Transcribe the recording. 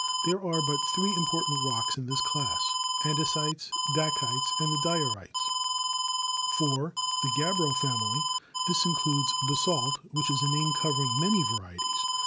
There are but three important rocks in this class, ande sites, dacites, and the diorites. (4) The Gabbro Family. This includes basalt, which is a name covering many va rieties.